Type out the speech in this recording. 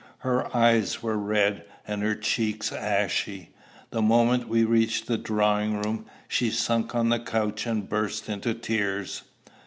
Her eyes were red, and her cheeks ashy. The moment we reached the drawing room, she sunk on the couch and burst into tears.